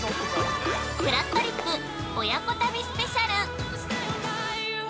ぷらっとりっぷ親子旅スペシャル。